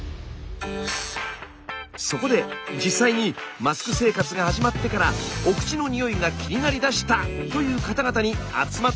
そこで実際にマスク生活が始まってからお口のにおいが気になりだしたという方々に集まって頂きました。